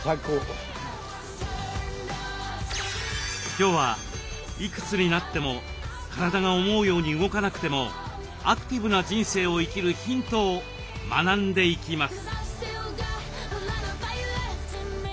今日はいくつになっても体が思うように動かなくてもアクティブな人生を生きるヒントを学んでいきます。